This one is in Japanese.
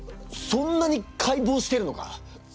そんなに解剖してるのか？